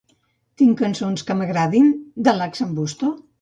Tinc cançons que m'agradin de Lax'n'Busto?